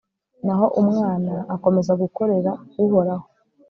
naho umwana akomeza gukorera uhoraho